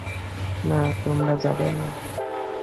না, তোমরা যাবে না।